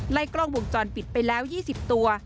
กล้องวงจรปิดไปแล้ว๒๐ตัว